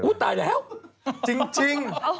อุ๊ยตายแล้วจริง